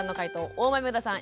大豆生田さん